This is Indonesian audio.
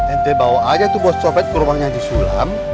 ente bawa aja tuh bos copet ke ruangnya haji sulam